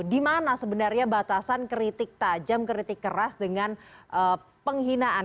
dimana sebenarnya batasan kritik tajam kritik keras dengan penghinaan